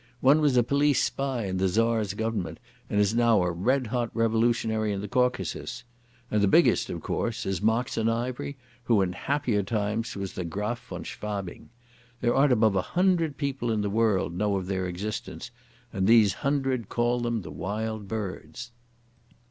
One was a police spy in the Tzar's Government and is now a red hot revolutionary in the Caucasus. And the biggest, of course, is Moxon Ivery, who in happier times was the Graf von Schwabing. There aren't above a hundred people in the world know of their existence, and these hundred call them the Wild Birds."